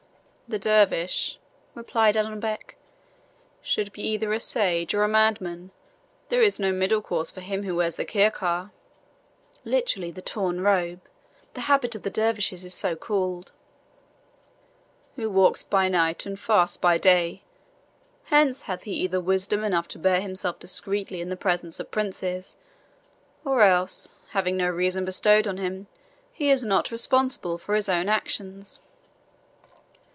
"The dervise," replied Adonbec, "should be either a sage or a madman; there is no middle course for him who wears the khirkhah, [Literally, the torn robe. The habit of the dervises is so called.] who watches by night, and fasts by day. Hence hath he either wisdom enough to bear himself discreetly in the presence of princes; or else, having no reason bestowed on him, he is not responsible for his own actions."